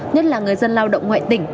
nhất là người dân lao động ngoại tỉnh